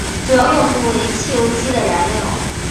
主要用途为汽油机的燃料。